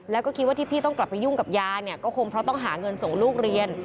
แล้วก็คิดว่าที่พี่ต้องกลับไปยุ่งกับยาเนี่ยก็คงเพราะต้องหาเงินส่งลูกเรียน